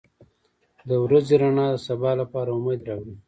• د ورځې رڼا د سبا لپاره امید راوړي.